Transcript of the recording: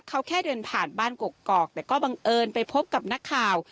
เขาแค่เดินผ่านบ้านกกอกแต่ก็บังเอิญไปพบกับนักข่าว